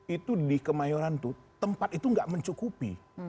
itu di kemayoran itu tempat itu nggak mencukupi